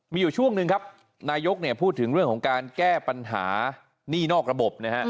มีอยู่ช่วงหนึ่งครับนายกพูดถึงเรื่องของการแก้ปัญหานี่นอกระบบนะฮะ